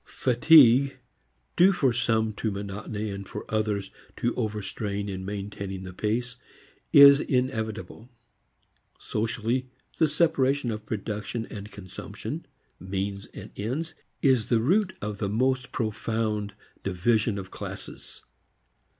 Fatigue due for some to monotony and for others to overstrain in maintaining the pace is inevitable. Socially, the separation of production and consumption, means and ends, is the root of the most profound division of classes.